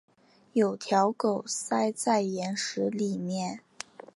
有条狗塞在岩石里面